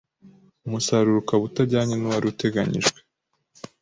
umusaruro ukaba utajyanye n’uwari uteganyijwe.